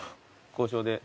交渉で。